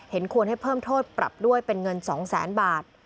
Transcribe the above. ควรให้เพิ่มโทษปรับด้วยเป็นเงิน๒แสนบาท